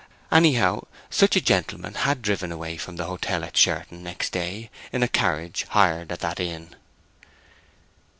Anyhow, such a gentleman had driven away from the hotel at Sherton next day in a carriage hired at that inn.